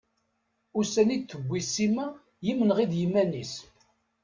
Ussan i d-tewwi Sima yimenɣi d yiman-is.